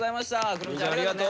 くるみちゃんありがとう。